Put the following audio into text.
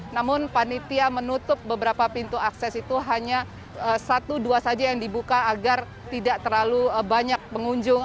namun panitia menutup beberapa pintu akses itu hanya satu dua saja yang dibuka agar tidak terlalu banyak pengunjung